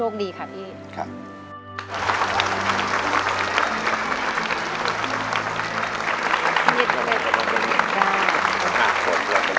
ขอให้ครอบครัวของพี่กบ